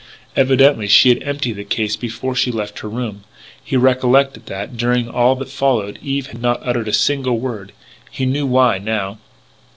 Evidently she had emptied the case before she left her room. He recollected that, during all that followed, Eve had not uttered a single word. He knew why, now.